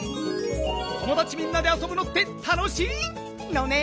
ともだちみんなであそぶのってたのしいのね！